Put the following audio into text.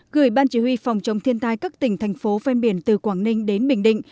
gửi ban chỉ huy phòng chống thiên tai các tỉnh thành phố ven biển từ quảng ninh đến bình định